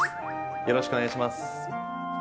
よろしくお願いします。